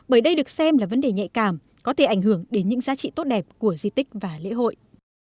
bởi đây được xem là vấn đề nhạy cảm có thể ảnh hưởng đến những giá trị tốt đẹp của di tích và lễ hội